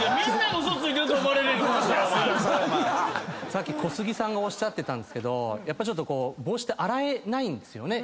さっき小杉さんがおっしゃってたんですけど帽子って洗えないんですよね。